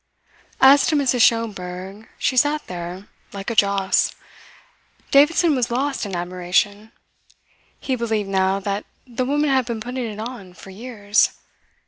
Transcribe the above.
As to Mrs. Schomberg, she sat there like a joss. Davidson was lost in admiration. He believed, now, that the woman had been putting it on for years.